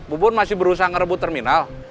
bubun masih berusaha ngerebut terminal